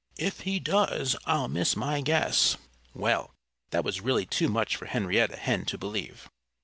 "If he does, I'll miss my guess." Well, that was really too much for Henrietta Hen to believe.